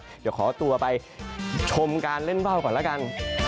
เดี๋ยวขอตัวไปชมการเล่นว่าวก่อนแล้วกัน